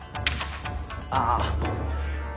ああ。